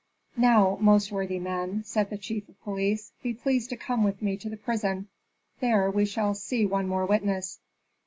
"Now, most worthy men," said the chief of police, "be pleased to come with me to the prison. There we shall see one more witness."